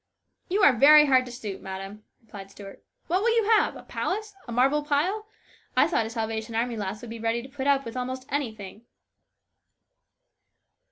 " You are very hard to suit, madam," replied Stuart. " What will you have ? A palace ? A marble pile ? I thought a Salvation Army lass would be ready to put up with almost anything